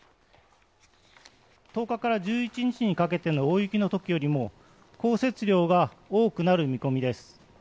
１０日から１１日にかけての大雪のときよりも降雪量が多くなる見込みです。